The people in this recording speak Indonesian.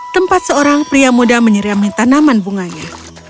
tempat seorang pria muda menyiriamkan tanaman bunganya